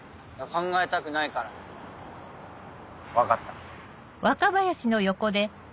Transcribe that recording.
考えたくないからだよ。分かった。